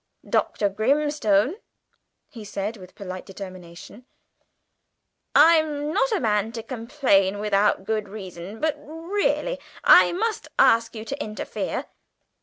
"Dr. Grimstone," he said with polite determination, "I'm not a man to complain without good reason, but really I must ask you to interfere.